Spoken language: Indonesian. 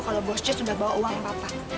kalau bosnya sudah bawa uang papa